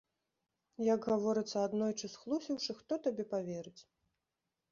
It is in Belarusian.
Як гаворыцца, аднойчы схлусіўшы, хто табе паверыць?